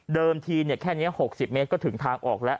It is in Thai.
ทีแค่นี้๖๐เมตรก็ถึงทางออกแล้ว